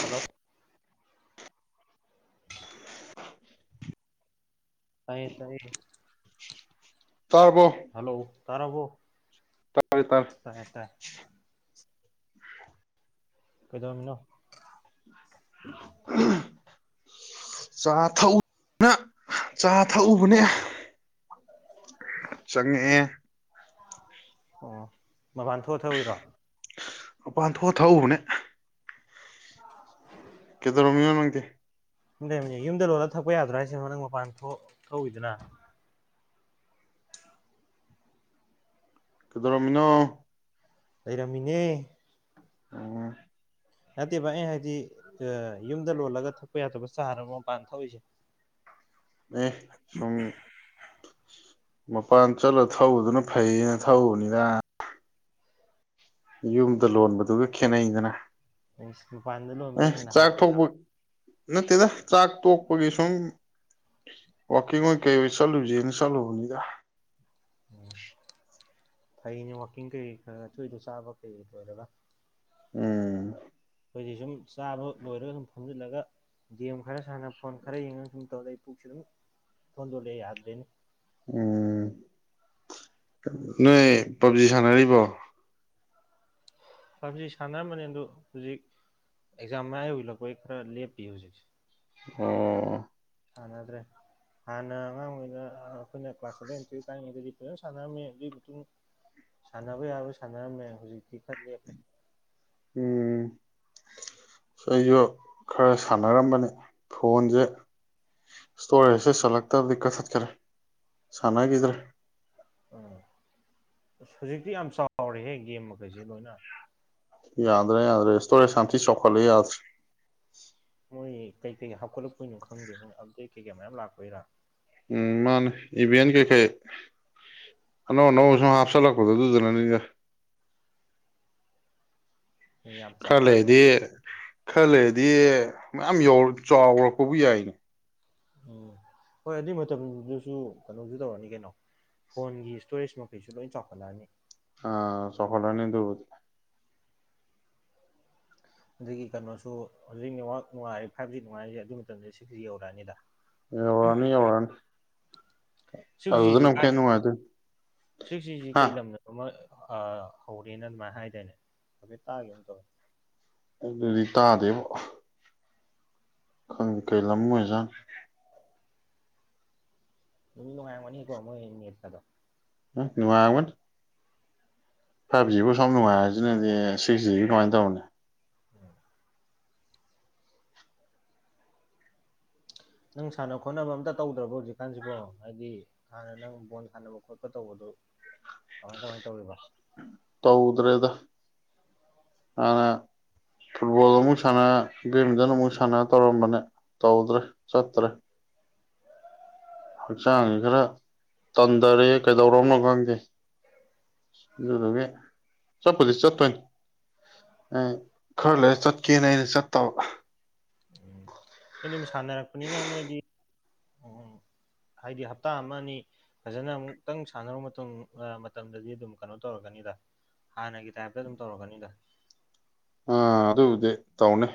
hello ꯇꯥꯏꯌꯦ ꯇꯥꯏꯌꯦ ꯇꯥꯔꯥꯕꯣ ꯍꯜꯂꯣ ꯇꯥꯔꯕꯣ ꯇꯔꯦ ꯇꯔꯦ ꯇꯥꯏ ꯇꯥꯏ ꯀꯩꯗꯧꯔꯝꯃꯤꯅꯣ [inaudible] ꯆꯥ ꯊꯛꯎꯅ ꯆꯥ ꯊꯛꯎꯕꯅꯦ ꯆꯥꯉꯀꯏ ꯑꯣ ꯃꯃꯥꯟ ꯊꯣꯛꯑ ꯊꯎꯏꯔꯣ ꯃꯄꯥꯟ ꯊꯣꯛꯑ ꯊꯛꯎꯕꯅꯦ ꯀꯦꯗꯔꯣꯝꯃꯤꯅꯣ ꯅꯡꯗꯤ ꯁꯨꯝ ꯂꯩꯔꯝꯕꯅꯤ ꯌꯨꯝꯗ ꯂꯣꯂꯥ ꯊꯛꯄꯥ ꯌꯗꯔꯣ ꯍꯥꯏꯁꯦ ꯅꯡ ꯃꯄꯥꯟ ꯊꯣꯛ ꯊꯛꯎꯏꯗꯨꯅ ꯀꯩꯗꯣꯔꯃꯤꯅꯣ ꯂꯩꯔꯝꯃꯤꯅꯦ ꯑꯣ ꯅꯠꯇꯦꯕꯚ ꯑꯩ ꯍꯥꯏꯗꯤ ꯌꯨꯝꯗ ꯂꯣꯜꯂꯒ ꯊꯛꯄ ꯌꯥꯗꯕ ꯆꯥꯔꯕꯥ ꯃꯄꯥꯟ ꯊꯛꯎꯏꯁꯤ ꯑꯦ ꯁꯨꯡ ꯃꯄꯥꯟ ꯆꯠꯂ ꯊꯎꯗꯨꯅ ꯐꯩꯩꯅ ꯊꯛꯎꯕꯅꯤꯗ ꯌꯨꯝꯗ ꯂꯣꯟꯕꯗꯨꯒ ꯈꯦꯠꯅꯩꯗꯅ ꯃꯄꯥꯟꯗ ꯑꯦ ꯂꯣꯟꯕꯅ ꯍꯦꯟꯅ ꯆꯥꯛ ꯍꯥꯑꯣꯔꯤꯔꯣ ꯊꯣꯛꯄ ꯅꯠꯇꯦꯗ ꯆꯥꯛ ꯇꯣꯛꯄꯒꯤ ꯁꯨꯝ ꯋꯀꯤꯡ ꯑꯣꯏꯅ ꯀꯩ ꯑꯣꯏ ꯆꯠꯂꯨꯁꯦꯅ ꯆꯠꯂꯨꯕꯅꯤꯗ ꯐꯩꯅꯦ ꯋꯥꯀꯤꯡ ꯀꯩ ꯈꯔꯥ ꯈꯔꯥ ꯇꯣꯏꯇꯣꯏꯟ ꯆꯥꯕꯥ ꯐꯩ ꯇꯧꯔꯒꯥ ꯎꯝ ꯑꯩꯈꯣꯏꯗꯤ ꯁꯨꯝ ꯆꯥꯕ ꯂꯣꯏꯔꯒ ꯁꯨꯝ ꯐꯝꯖꯤꯜꯂꯒꯦ ꯒꯦꯃ ꯈꯔ ꯁꯥꯅ ꯐꯣꯟ ꯈꯔ ꯌꯦꯉꯥ ꯁꯨꯝ ꯇꯧꯔꯛꯏ [unintelligible] ꯎꯝ ꯅꯣꯏ ꯄꯞꯖꯤ ꯁꯥꯟꯅꯔꯤꯕꯣ ꯄꯥꯐꯖꯤ ꯁꯥꯟꯅꯔꯝꯕꯅꯦ ꯑꯗꯣ ꯍꯧꯖꯤꯛ ꯑꯦꯛꯖꯥꯝ ꯃꯌꯥ ꯌꯧꯁꯜꯂꯛꯄꯩ ꯈꯔ ꯂꯦꯞꯄꯤ ꯍꯧꯖꯤꯛꯁꯦ ꯑꯣ ꯁꯥꯟꯅꯗ꯭ꯔꯦ ꯍꯥꯟꯅ ꯑꯉꯥꯡ ꯑꯣꯏꯅ ꯑꯩꯈꯣꯏꯅ ꯀ꯭ꯂꯥꯁ ꯁꯚꯦꯟ ꯇꯨꯌꯦꯜꯕ ꯀꯥꯔꯤꯉꯩꯗꯗꯤ ꯐꯖꯅ ꯁꯥꯟꯅꯔꯝꯃꯦ ꯑꯗꯨꯒꯤ ꯃꯇꯨꯡ ꯁꯥꯟꯅꯕ ꯌꯥꯕ ꯁꯥꯟꯅꯔꯝꯃꯦ ꯍꯧꯖꯤꯛꯇꯤ ꯈꯔ ꯂꯦꯞꯄꯦ ꯎꯝ ꯑꯩꯁꯨ ꯈꯔ ꯁꯥꯟꯅꯔꯝꯕꯅꯤ ꯐꯣꯟꯁꯦ ꯏꯁꯇꯣꯔꯦꯖꯁꯦ ꯆꯠꯂꯛꯇꯕꯗꯤ ꯀꯛꯊꯠꯈꯔꯦ ꯁꯥꯟꯅꯈꯤꯗ꯭ꯔꯦ ꯑꯍꯥ ꯍꯧꯖꯤꯛꯇꯤ ꯌꯥꯝ ꯆꯥꯎꯔꯦꯍꯦ ꯒꯦꯝ ꯃꯈꯩꯁꯦ ꯂꯣꯏꯅ ꯌꯥꯗ꯭ꯔꯦ ꯌꯥꯗ꯭ꯔꯦ ꯏꯁꯇꯣꯔꯦ ꯁꯥꯟꯇꯤ ꯆꯥꯎꯈꯠꯂ ꯌꯥꯗ꯭ꯔꯦ ꯃꯣꯏ ꯀꯩꯀꯩꯀꯩ ꯍꯥꯞꯀꯠꯂꯛꯄꯣꯏꯅꯣ ꯈꯡꯗꯦ ꯃꯣꯏ ꯑꯞꯗꯦꯠ ꯀꯩꯀꯩ ꯃꯌꯥꯝ ꯂꯥꯛꯄꯣꯏꯔꯥ ꯎꯝ ꯃꯥꯅꯦ ꯏꯚꯦꯟ ꯀꯩꯀꯩ ꯑꯅꯧ ꯑꯅꯧꯕ ꯁꯨꯝ ꯍꯥꯞꯆꯜꯂꯛꯄꯗꯣ ꯑꯗꯨꯗꯨꯅꯅꯤꯗ ꯌꯥꯝ ꯆꯥꯎꯣꯏꯕ ꯈꯔꯥ ꯂꯩꯔꯗꯤ ꯃꯌꯥꯝ ꯌꯧ ꯆꯥꯎꯔꯛꯄꯕꯨ ꯌꯥꯏꯅꯦ ꯎꯝ ꯍꯣꯏ ꯑꯗꯨꯏ ꯃꯇꯝꯗꯨꯁꯨ ꯀꯩꯅꯣꯁꯨ ꯇꯧꯔꯅꯤ ꯀꯩꯅꯣ ꯐꯣꯟꯒꯤ ꯏꯁꯇꯣꯔꯦꯖ ꯃꯈꯩꯁꯨ ꯂꯣꯏ ꯆꯥꯎꯈꯠꯂꯛꯑꯅꯤ ꯑꯥ ꯆꯥꯑꯣꯈꯠꯂꯛ ꯑꯅꯤ ꯑꯗꯨꯕꯨꯗꯤ ꯑꯗꯨꯒꯤ ꯀꯩꯅꯣꯁꯨ ꯍꯧꯖꯤꯛ ꯅꯦꯠꯋꯥꯛ ꯅꯨꯡꯉꯥꯏꯔꯦ ꯐꯥꯏꯚ ꯖꯤ ꯅꯨꯡꯉꯥꯏꯔꯤꯁꯦ ꯑꯗꯨ ꯃꯇꯝꯗ ꯁꯤꯛꯁ ꯖꯤ ꯌꯧꯔꯛꯑꯅꯤꯗ ꯌꯧꯔꯅꯤ ꯌꯧꯔꯅꯤ ꯁꯤꯖꯤꯁꯤ ꯀꯥꯏꯗꯅꯣ ꯁꯤꯛꯖꯤꯁꯤ ꯍꯥ ꯀꯩ ꯂꯝꯗꯅꯣ ꯑꯃꯥ ꯑꯥ ꯍꯧꯔꯦꯅ ꯑꯗꯨꯃꯥꯏꯅ ꯍꯥꯏꯗꯣꯏꯅꯦ ꯍꯧꯐꯦꯠ ꯇꯥꯒꯤꯒꯨꯝ ꯇꯧꯋꯦ ꯑꯗꯨꯗꯥꯗꯤ ꯇꯥꯗꯦꯕꯣ ꯈꯡꯗ ꯀꯩ ꯂꯝ ꯑꯣꯏꯖꯟ ꯅꯨꯡ ꯗꯤ ꯅꯨꯉꯥꯏꯔꯝꯒꯅꯤꯀꯣ ꯃꯣꯏ ꯅꯦꯇꯀꯥꯗꯣ ꯅꯨꯉꯥꯏꯔꯝꯒꯅꯤ ꯐꯥꯏꯚ ꯖꯤꯕꯨ ꯁ ꯅꯨꯡꯉꯥꯏꯔꯁꯤꯅꯗꯤ ꯁꯤꯛꯁ ꯖꯤꯒꯤ ꯀꯃꯥꯏꯅ ꯇꯧꯅꯤ ꯅꯪ ꯁꯥꯟꯅ ꯈꯣꯠꯅꯕ ꯑꯝꯇ ꯇꯧꯗ꯭ꯔꯕꯣ ꯍꯧꯖꯤꯛꯀꯥꯟꯁꯤꯕꯣ ꯍꯥꯏꯗꯤ ꯍꯥꯟꯅ ꯅꯪ ꯕꯣꯜ ꯁꯥꯟꯅꯕ ꯈꯣꯠꯄ ꯇꯧꯕꯗꯣ ꯀꯃꯥꯏ ꯀꯃꯥꯏꯅ ꯇꯧꯔꯤꯕ ꯇꯧꯗ꯭ꯔꯦꯗ ꯍꯥꯟꯅ ꯐꯨꯠꯕꯣꯜ ꯑꯃꯨꯛ ꯁꯥꯟꯅ ꯕꯤꯃꯤꯟꯠꯟ ꯑꯃꯨꯛ ꯁꯥꯟꯅ ꯇꯧꯔꯝꯕꯅꯦ ꯇꯧꯗ꯭ꯔꯦ ꯆꯠꯇ꯭ꯔꯦ ꯍꯛꯆꯥꯡꯁꯦ ꯈꯔ ꯇꯟꯊꯔꯦ ꯀꯩꯗꯧꯔꯣꯅꯣ ꯈꯪꯗꯦ ꯑꯗꯨꯗꯨꯗꯒꯤ ꯆꯠꯄꯨꯗꯤ ꯆꯠꯇꯣꯏꯅꯤ ꯑꯦ ꯈꯔ ꯂꯩꯔ ꯆꯠꯀꯦꯅ ꯑꯩꯅ ꯆꯠꯇꯕ ꯑꯩ ꯑꯗꯨꯝ ꯁꯥꯟꯅꯔꯛꯄꯅꯤꯅ ꯅꯣꯏꯗꯤ ꯎꯝ ꯎꯝ ꯍꯥꯏꯗꯤ ꯍꯞꯇꯥ ꯑꯃ ꯑꯅꯤ ꯐꯖꯅ ꯑꯃꯨꯛꯇꯪ ꯁꯥꯟꯅꯔꯨ ꯃꯇꯨꯡ ꯃꯇꯝꯗꯗꯤ ꯑꯗꯨꯝ ꯀꯩꯅꯣ ꯇꯧꯔꯛꯀꯅꯤꯗ ꯍꯥꯟꯅꯒꯤ ꯇꯥꯏꯞꯇ ꯑꯗꯨꯝ ꯇꯧꯔꯛꯀꯅꯤꯗ ꯑꯥ ꯑꯗꯨꯗꯤ ꯇꯧꯅꯤ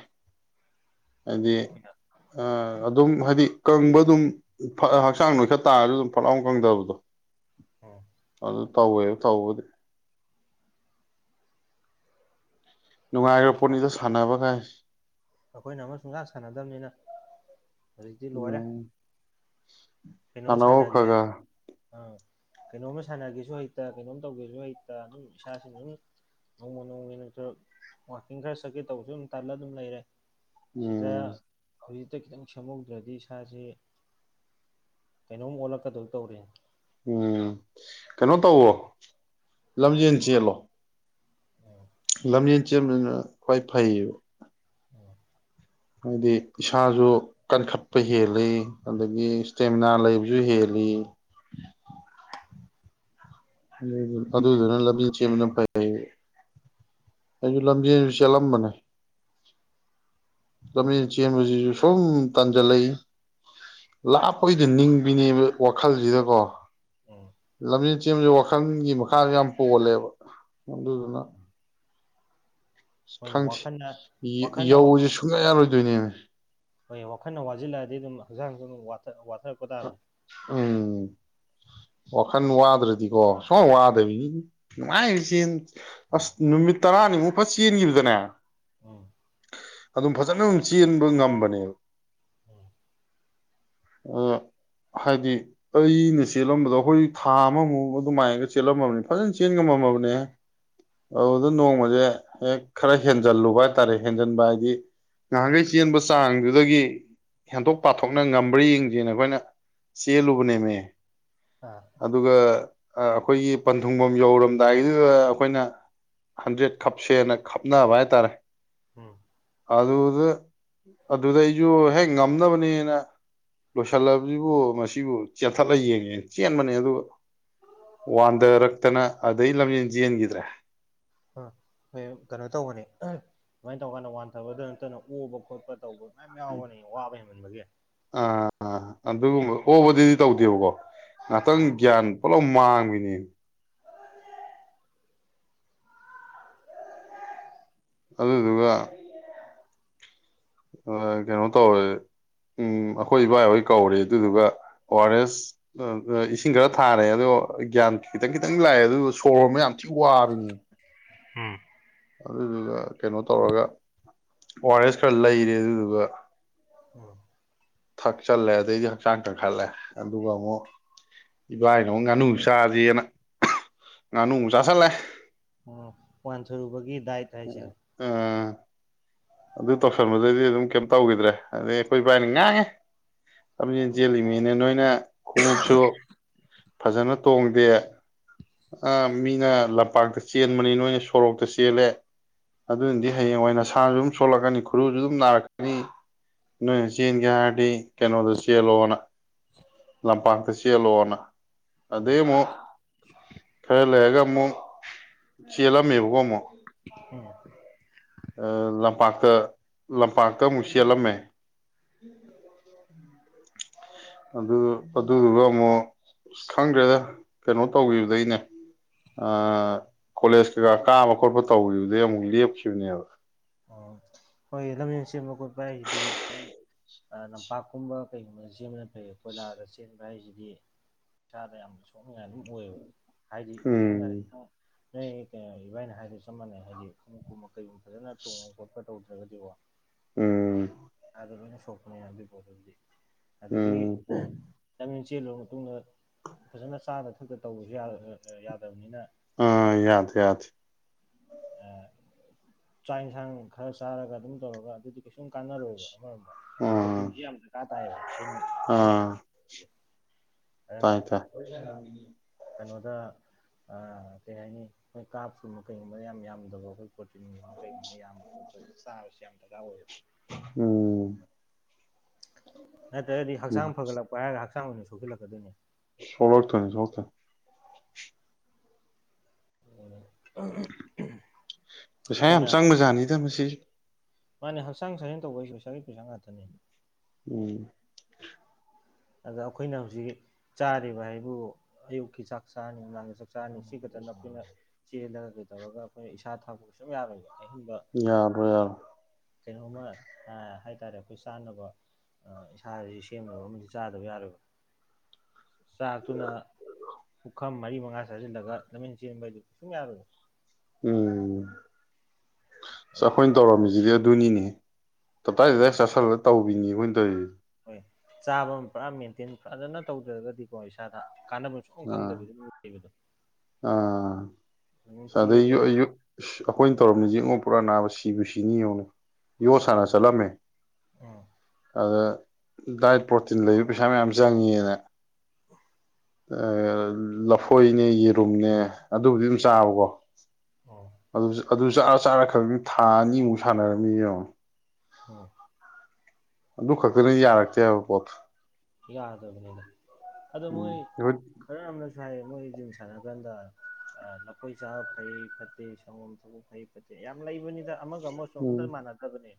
ꯍꯥꯏꯗꯤ ꯑꯩꯈꯣꯏꯅ ꯑ ꯑꯗꯨꯝ ꯍꯥꯏꯗꯤ ꯀꯪꯕ ꯑꯗꯨꯝ ꯍꯛꯆꯥꯡ ꯅꯣꯏꯈꯠ ꯇꯥꯔꯖꯨ ꯑꯗꯨꯝ ꯐꯠ ꯂꯥꯎꯅ ꯀꯪꯗꯕꯗꯣ ꯎꯝ ꯑꯗꯨꯗ ꯇꯧꯋꯦ ꯇꯧꯕꯗ ꯅꯨꯡꯉꯥꯏꯈ꯭ꯔ ꯄꯣꯠꯅꯤꯗ ꯁꯥꯟꯅꯕꯒꯥꯏ ꯑꯩꯈꯣꯏꯅ ꯑꯃ ꯁꯨꯡꯁꯥꯛ ꯁꯥꯟꯅꯗꯕꯅꯤꯅ ꯍꯧꯖꯤꯛꯇꯤ ꯂꯣꯏꯔꯦ ꯎꯝ ꯀꯩꯅꯣꯝꯃ ꯁꯥꯟꯅꯧ ꯈꯔ ꯁꯥꯟꯅꯒꯦ ꯈꯔ ꯑꯥ ꯀꯩꯅꯣꯝꯃ ꯁꯥꯟꯅꯒꯦꯁꯨ ꯍꯩꯇ ꯀꯩꯅꯣꯝꯃ ꯇꯧꯒꯦꯁꯨ ꯍꯩꯇ ꯑꯗꯨꯝ ꯏꯁꯥꯁꯤꯡꯅ ꯑꯗꯨꯝ ꯅꯣꯡꯃ ꯅꯣꯡꯃꯒꯤ ꯅꯔ ꯋꯥꯋꯥꯛꯀꯤꯡ ꯈꯔ ꯆꯠꯀꯦ ꯇꯧꯕꯁꯨ ꯑꯗꯨꯝ ꯇꯜꯂ ꯑꯗꯨꯝ ꯂꯩꯔꯦ ꯁꯤꯗ ꯎꯝ ꯍ ꯛꯇ ꯈꯤꯇꯪ ꯁꯦꯝꯍꯧꯗ꯭ꯔꯗꯤ ꯏꯁꯥꯁꯦ ꯀꯩꯅꯣꯝ ꯑꯣꯜꯂꯛꯀꯗꯧ ꯇꯧꯔꯤꯅꯤ ꯎꯝ ꯀꯩꯅꯣ ꯇꯧꯋꯣ ꯂꯝꯖꯦꯟ ꯆꯦꯜꯂꯣ ꯎꯝ ꯂꯝꯖꯦꯟ ꯆꯅꯕꯖꯤꯅ ꯈ꯭ꯋꯥꯏ ꯐꯩꯌꯦꯕ ꯎꯝ ꯍꯥꯏꯗꯤ ꯏꯁꯥꯁꯨ ꯀꯟꯈꯠꯄ ꯍꯦꯜꯂꯤ ꯑꯗꯒꯤ ꯏꯁꯇꯦꯃꯤꯅꯥ ꯂꯩꯕꯁꯨ ꯍꯦꯜꯂꯤ ꯑꯗꯨꯗꯨꯅ ꯂꯝꯖꯦꯟ ꯆꯦꯟꯕꯅ ꯐꯩ ꯑꯩꯁꯨ ꯂꯝꯖꯦꯟꯁꯨ ꯆꯦꯜꯂꯝꯕꯅꯦ ꯂꯝꯖꯦꯟ ꯆꯦꯟꯕꯁꯤꯁꯨ ꯁꯨꯝ ꯇꯟꯖꯜꯂꯛꯏ ꯂꯥꯞꯄꯒꯤꯗꯤ ꯅꯤꯡꯕꯤꯅꯦꯕ ꯋꯥꯈꯜꯁꯤꯗꯀꯣ ꯎꯝ ꯂꯝꯖꯦꯟ ꯆꯦꯟꯕꯁꯤ ꯋꯥꯈꯜꯒꯤ ꯃꯈꯥꯁꯨ ꯌꯥꯝ ꯄꯣꯜꯂꯦꯕ ꯑꯗꯨꯗꯨꯅ ꯍꯣꯏꯅꯦ ꯈꯪꯁꯤ ꯋꯥꯈꯜꯅ ꯋꯥꯈꯜꯅ ꯌꯧꯁꯦ ꯁꯨꯡꯌꯥ ꯌꯥꯔꯣꯏꯗꯣꯏꯅꯦꯅꯦ ꯍꯣꯏ ꯋꯥꯈꯜꯅ ꯋꯥꯁꯤꯜꯂꯛꯑꯗꯤ ꯑꯗꯨꯝ ꯍꯛꯆꯥꯡꯁꯨ ꯑꯗꯨꯝ ꯋꯥꯊꯔꯛꯄ ꯇꯥꯕꯅꯤ ꯎꯝ ꯋꯥꯈꯜ ꯋꯥꯗ꯭ꯔꯗꯤꯀꯣ ꯁꯨꯝ ꯋꯥꯗꯕꯤ ꯅꯨꯡꯉꯥꯏꯔꯤꯁꯦꯟ ꯑꯁ ꯅꯨꯃꯤꯠ ꯇꯔꯥꯅꯤꯃꯨꯛ ꯐꯠ ꯆꯦꯟꯈꯤꯕꯗꯅꯦ ꯎꯝ ꯑꯗꯨꯝ ꯐꯖꯅ ꯑꯗꯨꯝ ꯆꯦꯟꯕ ꯉꯝꯕꯅꯦꯕ [unintelligible] [inaudible] ꯑ ꯍꯥꯏꯗꯤ ꯑꯩꯅ ꯆꯦꯜꯂꯝꯕꯗꯣ ꯑꯩꯈꯣꯏ ꯊꯥ ꯑꯃꯃꯨꯛ ꯑꯗꯨꯃꯥꯏꯅꯒ ꯆꯦꯜꯂꯝꯃꯕꯅꯤ ꯐꯖꯅ ꯆꯦꯟ ꯉꯝꯃꯝꯃꯕꯅꯦ ꯑꯗꯨꯗ ꯅꯣꯡꯃꯁꯦ ꯍꯦꯛ ꯈꯔ ꯍꯦꯟꯖꯜꯂꯨꯕ ꯍꯥꯏꯇꯥꯔꯦ ꯍꯦꯟꯖꯟꯕ ꯍꯥꯏꯗꯤ ꯉꯍꯥꯟꯈꯩ ꯆꯦꯟꯕ ꯆꯥꯡꯗꯨꯗꯒꯤ ꯍꯦꯟꯗꯣꯛ ꯄꯥꯊꯣꯛꯅ ꯉꯝ ꯃ꯭ꯔ ꯌꯦꯡꯁꯦꯅ ꯑꯩꯈꯣꯏꯅ ꯆꯦꯜꯂꯨꯕꯅꯦꯃꯦ ꯑꯥ ꯑꯗꯨꯒ ꯑꯩꯈꯣꯏꯒꯤ ꯄꯟꯊꯨꯡꯐꯝ ꯌꯧꯔꯝꯗꯥꯏꯗꯨꯗ ꯑꯩꯈꯣꯏꯅ ꯍꯟꯗ꯭ꯔꯦꯠ ꯈꯞꯁꯦꯅ ꯈꯞꯅꯕ ꯍꯥꯏꯇꯥꯔꯦ ꯎꯝ ꯑꯗꯨꯗ ꯑꯗꯨꯗ ꯑꯩꯁꯨ ꯍꯦꯛ ꯉꯝꯅꯕꯅꯦꯅ ꯂꯣꯏꯁꯤꯜꯂꯕꯁꯤꯕꯨ ꯃꯁꯤꯕꯨ ꯆꯦꯟꯊꯠꯂꯒ ꯌꯦꯡꯉꯦ ꯆꯦꯟꯕꯅꯦ ꯑꯗꯨ ꯋꯥꯟꯊꯔꯛꯇꯅ ꯑꯗꯩ ꯂꯝꯖꯦꯟ ꯆꯦꯟꯈꯤꯗ꯭ꯔꯦ ꯍꯣꯏ ꯀꯩꯅꯣ ꯇꯧꯕꯅꯤ ꯑꯗꯨꯃꯥꯏꯅ ꯇꯧꯀꯥꯟꯗ ꯋꯥꯟꯊꯕꯗ ꯅꯠꯇꯅ ꯑꯣꯕ ꯈꯣꯠꯄ ꯇꯧꯕ ꯃꯌꯥꯝ ꯌꯥꯎꯕꯅꯦ ꯑꯋꯥꯕ ꯍꯦꯟꯃꯟꯕꯒꯤ ꯑꯗꯨ ꯑꯗꯨ ꯑꯣꯕꯗꯤꯗꯤ ꯇꯧꯗꯦꯕꯀꯣ ꯉꯥꯛꯇꯪ ꯎꯝ ꯒ꯭ꯌꯥꯟ ꯂꯣ ꯃꯥꯡꯕꯤꯅꯦꯝꯤ ꯑꯗꯨꯗꯨꯒ ꯀꯩꯅꯣ ꯇꯧꯔꯦ ꯎꯝ ꯑꯩꯈꯣꯏ ꯏꯕꯥꯍꯣꯏ ꯀꯧꯔꯦ ꯑꯗꯨꯗꯨꯒ ꯑꯣ ꯑꯥꯔ ꯑꯦꯁ ꯏꯁꯤꯡ ꯈꯔ ꯊꯥꯔꯦ ꯑꯗꯣ ꯒ꯭ꯌꯥꯟ ꯈꯤꯇꯪ ꯈꯤꯇꯪ ꯂꯥꯛꯑꯦ ꯑꯗꯨ ꯁꯣꯔ ꯍꯣꯟꯕ ꯌꯥꯝ ꯊꯤ ꯋꯥꯕꯅꯦ ꯑꯗꯨꯗꯨꯒ ꯀꯩꯅꯣ ꯇꯧꯔꯒ ꯑꯣ ꯑꯥꯔ ꯑꯦꯁ ꯈꯔ ꯂꯩꯔꯦ ꯑꯗꯨꯗꯨꯒ ꯎꯝ ꯊꯛꯆꯜꯂꯦ ꯑꯗꯩꯗꯤ ꯍꯛꯆꯥꯡ ꯀꯪꯈꯠꯂꯦ ꯑꯗꯨꯒ ꯑꯃꯨꯛ ꯏꯕꯥꯏꯅ ꯑꯃꯨꯛ ꯉꯥꯅꯨ ꯆꯥꯁꯤꯦꯅ ꯉꯥꯅꯨꯃꯨꯛ ꯆꯥꯥꯁꯜꯂꯦ ꯑꯣ ꯄ ꯁꯣ ꯔꯨꯄꯥꯒꯤ ꯑ ꯑꯗꯨ ꯇꯧꯁꯟꯕꯗꯗꯤ ꯑꯗꯨꯝ ꯀꯩꯝ ꯇꯧꯈꯤꯗ꯭ꯔꯦ ꯑꯗꯩ ꯑꯩꯈꯣꯏ ꯏꯕꯥꯏꯅ ꯉꯥꯡꯉꯦ ꯂꯝꯖꯦꯟ ꯆꯦꯜꯂꯤꯉꯩꯅꯦ ꯅꯣꯏꯅ ꯈꯣꯡꯎꯞꯁꯨ ꯐꯖꯅ ꯇꯣꯡꯗꯦ ꯃꯤꯅ ꯂꯝꯄꯥꯛꯇ ꯆꯦꯟꯕꯅꯤ ꯅꯣꯏꯅ ꯁꯣꯔꯣꯛꯇ ꯆꯦꯜꯂꯦ ꯑꯗꯨꯅꯗꯤ ꯍꯌꯦꯡ ꯑꯣꯏꯅ ꯅꯁꯥꯁꯨ ꯑꯗꯨ ꯁꯣꯛꯂꯛꯀꯅꯤ ꯈꯨꯔꯨꯁꯨ ꯑꯗꯨꯝ ꯅꯥꯔꯛꯀꯅꯤ ꯅꯣꯏꯅ ꯆꯦꯟꯒꯦ ꯍꯥꯏꯔꯗꯤ ꯀꯩꯅꯣꯗ ꯆꯦꯜꯂꯣꯅ ꯂꯝꯄꯥꯛꯇ ꯆꯦꯜꯂꯣꯅ ꯎꯝ ꯑꯗꯨꯗꯩ ꯑꯃꯨꯛ ꯈꯔ ꯂꯩꯔꯒ ꯑꯃꯨꯛ ꯆꯦꯜꯂꯝꯃꯦꯕꯀꯣ ꯑꯃꯨꯛ ꯎꯝ ꯑ ꯂꯝꯄꯥꯛꯇ ꯂꯝꯄꯥꯛꯇ ꯑꯃꯨꯛ ꯆꯦꯜꯂꯝꯃꯦ ꯑꯗꯨ ꯑꯗꯨꯗꯨꯒ ꯑꯃꯨꯛ ꯈꯪꯗ꯭ꯔꯦꯗ ꯀꯩꯅꯣ ꯇꯧꯈꯤꯕꯗꯩꯅꯦ ꯀꯣꯂꯦꯖ ꯀꯩꯀꯥ ꯀꯥꯕ ꯈꯣꯠꯄ ꯇꯧꯈꯤꯕꯗꯩ ꯑꯃꯨꯛ ꯂꯦꯞꯈꯤꯕꯅꯦꯕ ꯑꯣ ꯍꯣꯏ ꯂꯝꯖꯦꯟ ꯆꯦꯟꯕ ꯈꯣꯠꯄ ꯍꯥꯏꯁꯤꯗꯤ ꯈꯤꯇꯪ ꯂꯝꯄꯥꯛꯀꯨꯝꯕ ꯀꯩꯒꯨꯝꯕꯗ ꯆꯦꯟꯕꯅ ꯐꯩ ꯀꯣꯏꯂꯥꯗ ꯆꯦꯟꯕ ꯍꯥꯏꯁꯤꯗꯤ ꯏꯁꯥꯗ ꯌꯥꯝꯅ ꯁꯣꯡꯉ ꯑꯗꯨꯝ ꯑꯣꯏꯌꯦꯕ ꯍꯥꯏꯗꯤ ꯁꯝꯅ ꯎꯝ ꯍꯥꯏꯔꯕ ꯅ ꯀꯩꯅ ꯏꯕꯥꯏꯅ ꯍꯥꯏꯗ ꯆꯞ ꯃꯥꯟꯅꯩ ꯍꯥꯏꯗꯤ ꯈꯣꯡ ꯀꯨꯝꯕ ꯀꯩꯒꯨꯝꯕ ꯐꯖꯅ ꯇꯣꯡꯕ ꯈꯣꯠꯄ ꯇꯧꯗ꯭ꯔꯒꯗꯤꯀꯣ ꯎꯝ ꯑꯗ ꯂꯣꯏꯅ ꯁꯣꯛꯄꯅꯦ ꯑꯗꯨꯒꯤ ꯄꯣꯠꯇ ꯑꯗꯨꯗꯤ ꯑꯗꯒꯤ ꯎꯝ ꯆ ꯆꯦꯜꯂꯕ ꯃꯇꯨꯡꯗ ꯐꯖꯅ ꯆꯥꯗ ꯊꯛꯛꯇ ꯇꯧꯕꯁꯨ ꯌꯥꯗꯕꯅꯤꯅ ꯑꯥ ꯍꯥꯏꯗꯤ ꯌꯥꯗ ꯌꯥꯗ ꯆꯥꯛ ꯌꯦꯟꯁꯥꯡ ꯈꯔ ꯆꯥꯔꯒ ꯑꯗꯨꯝ ꯇꯧꯔꯒ ꯑꯗꯨꯗꯤ ꯀꯩꯁꯨꯝ ꯀꯥꯟꯅꯔꯣꯏꯕ ꯑꯃꯔꯣꯝꯗ ꯑꯥ ꯀꯣꯆꯤꯟꯁꯤꯦ ꯌꯥꯝ ꯗꯔꯀꯥꯔ ꯇꯥꯏꯌꯦꯕ ꯑꯩꯈꯅ ꯑꯥ ꯇꯥꯏ ꯐꯦ ꯀꯩꯅꯣꯗ ꯀꯔꯤ ꯍꯥꯏꯅꯤ ꯑꯩꯈꯣꯏ ꯀꯥꯞꯀꯨꯝꯕ ꯀꯩꯒꯨꯝꯕꯗ ꯌꯥꯝ ꯌꯥꯝꯗꯕ ꯑꯩꯈꯣꯏ ꯣꯠꯇ ꯃꯈ ꯀꯩ ꯌꯥꯝꯕ ꯈꯣꯠꯄ ꯂ ꯑꯣꯏ ꯎꯝ ꯅꯠꯇ꯭ꯔꯗꯤ ꯎꯝ ꯍꯛꯆꯥꯡ ꯐꯒꯠꯂꯛꯄ ꯍꯥꯏꯔꯒ ꯍꯛꯆꯥꯡ ꯑꯥꯡ ꯑꯣꯏꯅ ꯁꯣꯛꯤꯜꯂꯛꯀꯗꯣꯏꯅꯦ ꯁꯂꯔꯇꯅꯤ ꯆ ꯊ ꯄꯩꯁꯥ ꯌꯥꯝ ꯑꯩꯈꯣꯏꯅ ꯆꯪꯕ ꯖꯥꯠꯅꯤꯗ ꯃꯁꯤ ꯃꯥꯅꯦ ꯍꯛꯆꯥꯡ ꯁꯥꯖꯦꯟ ꯇꯧꯕꯩꯁꯤ ꯄꯩꯁꯥꯒꯤ ꯄꯩꯁꯥ ꯉꯥꯛꯇꯅꯤ ꯎꯝ ꯑꯗ ꯑꯩꯈꯣꯏꯅ ꯍꯧꯖꯤꯛ ꯆꯥꯔꯤꯕ ꯍꯥꯏꯕꯨ ꯑꯌꯨꯛꯀꯤ ꯆꯥꯛ ꯆꯥꯅꯤꯗꯥꯥꯡ ꯆꯆꯥ ꯁꯤ ꯈꯛꯇꯅ ꯑꯩꯈꯣꯏꯅ ꯆꯦꯜꯂꯒ ꯑꯗꯨ ꯇꯧꯔꯒ ꯑꯩꯈꯣꯏ ꯏꯁꯥ ꯊꯛꯕꯁꯨ ꯁꯨꯝ ꯌꯥꯔꯣꯏꯅꯦ ꯌꯥꯗꯣꯏ ꯌꯥꯔ ꯀꯩꯅꯣꯝꯃ ꯍꯥꯏꯇꯥꯔꯦ ꯑꯩꯈꯣꯏ ꯆꯥꯅꯕ ꯏꯁꯥꯁꯤ ꯁꯦꯝꯅꯕ ꯑꯃ ꯆꯥꯗꯕ ꯌꯥꯔꯣꯏꯕ ꯆꯥꯛꯇꯨꯅ ꯄꯨꯈꯝ ꯃꯔꯤ ꯃꯉꯥ ꯆꯥꯁꯤꯜꯂꯒ ꯂꯝꯃꯤꯦꯟ ꯆꯦꯟꯕ ꯍꯥꯏꯗꯨ ꯀꯩ ꯁꯨꯝ ꯌꯥꯔꯣꯏ ꯎꯝ ꯆꯈꯣꯏꯅ ꯇꯧꯔꯝꯖꯤꯗꯤ ꯙꯨꯅꯤꯅꯤ ꯑꯗꯨ ꯇꯞꯦꯁ ꯇꯧ ꯑꯣꯅꯤꯕ ꯑꯣꯏꯅ ꯇ ꯍꯣꯏ ꯆꯥꯕ ꯑꯃ ꯄꯨꯔꯥ ꯃꯦꯟꯇꯦꯟ ꯐꯖꯅ ꯇꯧꯗ꯭ꯔꯒꯗꯤꯀꯣ ꯏꯁꯥꯗ ꯀꯥꯟꯅꯕ ꯁꯨꯡꯐꯝ ꯑꯥ ꯈꯪꯗꯕꯗꯨ ꯂꯩꯕꯗꯣ ꯑꯥ ꯑꯗꯨꯝ ꯑꯗꯩ ꯆꯦꯜꯂꯦ ꯑꯩꯈꯣꯏꯅ ꯇꯧꯔꯝꯅꯤꯁꯉ ꯄꯨꯔꯥ ꯅꯥꯑ ꯁꯤꯕꯨ ꯁꯤꯅꯤꯧꯅ ꯌꯣꯠ ꯁꯥꯟꯅ ꯆꯠꯂꯝꯃꯦ ꯎꯝ ꯑꯗ ꯗꯥꯏꯠ ꯄ꯭ꯔꯣꯇꯤꯟ ꯂꯩꯕ ꯄꯩꯁꯥ ꯃꯌꯥꯝ ꯆꯪꯉꯦꯅ ꯂꯐꯣꯏꯅꯦ ꯌꯦꯔꯨꯝꯅꯦ ꯑꯗꯨꯕꯨꯗꯤ ꯑꯗꯨꯝ ꯆꯥꯎꯕꯣ ꯎꯝ ꯑꯗꯨ ꯑꯗꯨ ꯆꯥꯔ ꯆꯥꯔꯛꯈ꯭ꯔꯕꯅꯤ ꯊꯥ ꯑꯅꯤꯃꯨꯛ ꯁꯥꯟꯅꯔꯝꯅꯤ ꯌꯦꯡꯉꯣ ꯎꯝ ꯑꯗꯨ ꯈꯛꯇꯅ ꯌꯥꯔꯛꯇꯦꯕ ꯄꯣꯠ ꯌꯥꯒꯗꯕꯅꯤꯗ ꯑꯗꯣ ꯎꯝ ꯃꯣꯏ ꯑꯩꯈꯣꯏ ꯈꯔ ꯑꯃꯅꯁꯨ ꯍꯥꯏ ꯃꯣꯏ ꯖꯤꯝ ꯁꯥꯟꯅꯔ ꯀꯥꯟꯗ ꯂꯈꯣꯏ ꯆꯥꯕ ꯐꯩ ꯐꯠꯇꯦ ꯁꯪꯒꯣꯝ ꯁꯪꯒꯣꯝ ꯐꯩ ꯐꯠꯇꯦ ꯌꯥꯝ ꯂꯩꯕꯅꯤ ꯑꯃꯒ ꯑꯃꯁꯒꯨ ꯑꯝꯇ ꯎꯝ ꯃꯥꯟꯅꯗꯕꯅꯦ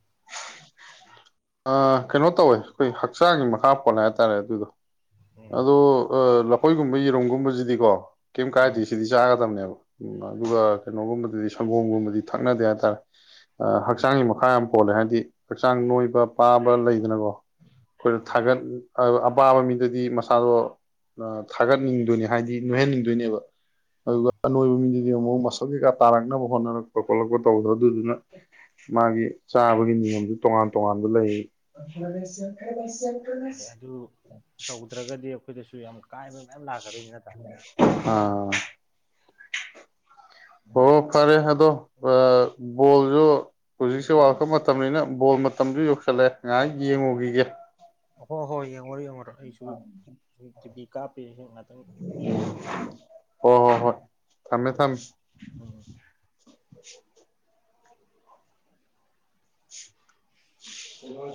ꯀꯩꯅꯣ ꯇꯧꯋꯦ ꯑꯩꯈꯣꯏ ꯍꯛꯆꯥꯡꯒꯤ ꯃꯈꯥ ꯄꯣꯟ ꯍꯥꯏꯇꯥꯔꯦ ꯑꯗꯨꯗꯣ ꯎꯝ ꯑꯗ ꯑ ꯂ ꯑꯩꯈꯣꯏꯒꯨꯝꯕ ꯌꯦꯔꯨꯝꯒꯨꯝꯕꯁꯤꯗꯤꯀꯣ ꯀꯩꯝ ꯀꯥꯏꯗꯦ ꯎꯝ ꯁꯤꯗꯤ ꯆꯥꯒꯗꯕꯅꯦꯕ ꯎꯝ ꯑꯗꯨꯒ ꯀꯩꯅꯣꯒꯨꯝꯕꯗꯗꯤ ꯁꯪꯒꯣꯝꯒꯨꯝꯕꯗꯤ ꯊꯛꯅꯗꯦ ꯍꯥꯏꯇꯥꯔꯦ ꯎꯝ ꯍꯛꯆꯥꯡꯒꯤ ꯃꯈꯥ ꯑꯃ ꯍꯣꯜꯂꯦ ꯍꯥꯏꯗꯤ ꯍꯛꯆꯥꯡ ꯅꯣꯏꯕ ꯄꯥꯕ ꯂꯩꯗꯅꯀꯣ ꯑꯩꯈꯣꯏꯅ ꯎꯝ ꯊꯥꯒꯠ ꯑꯄꯥꯕ ꯃꯤꯗꯗꯤ ꯃꯁꯥꯗꯣ ꯊꯥꯒꯠꯅꯤꯡꯗꯣꯏꯅꯦ ꯍꯥꯏꯗꯤ ꯅꯣꯏꯍꯟꯅꯤꯡꯗꯣꯏꯅꯦꯕ ꯎꯝ ꯑꯗꯨꯒ ꯅꯣꯡꯃꯤ ꯃꯤ ꯑꯃꯨꯛ ꯃꯁꯛ ꯀꯩꯥ ꯇꯥꯔꯛꯅꯕ ꯍꯣꯠꯅꯔꯛꯄ ꯈꯣꯠꯂꯛꯄ ꯇꯧꯗ ꯑꯗꯨꯗꯨꯅ ꯃꯥꯒꯤ ꯆꯥꯕꯒꯤ ꯅꯤꯌꯣꯝꯁꯨ ꯇꯣꯉꯥꯟ ꯇꯣꯉꯥꯟꯕ ꯂꯩ ꯍꯣꯏ ꯑꯗꯨ ꯇꯧꯗ꯭ꯔꯒꯗꯤ ꯑꯩꯈꯣꯏꯗꯁꯨ ꯌꯥꯝ ꯀꯥꯏ ꯑꯥ ꯑꯣ ꯐꯔꯦ ꯑꯗꯣ ꯕꯣꯜꯁꯨ ꯍꯧꯖꯤꯛꯁꯦ ꯋꯥꯔꯛꯄ ꯃꯇꯝꯅꯤꯅ ꯕꯣꯜ ꯃꯇꯝꯁꯨ ꯌꯧꯁꯜꯂꯛꯑꯦ ꯉꯥꯏꯍꯥꯛ ꯌꯦꯡꯉꯨꯈꯤꯒꯦ ꯍ ꯍꯣꯏ ꯑꯃ ꯑꯃꯔꯛ ꯑꯩꯁꯨ ꯇꯤꯚꯤ ꯀꯥꯞꯄ ꯍꯦꯛ ꯉꯍꯥꯛꯇꯪ ꯌꯦꯡꯒ ꯍꯣꯏ ꯍꯣꯏ ꯍꯣꯏ ꯊꯝꯃꯦ ꯎꯝ ꯊꯝꯃꯦ ꯎꯝ [unintelligible] ꯍꯣꯏ ꯍꯣꯏ